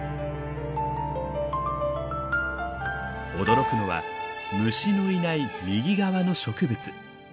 驚くのは虫のいない右側の植物。